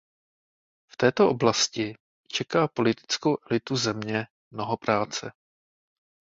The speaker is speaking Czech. V této oblasti čeká politickou elitu země mnoho práce.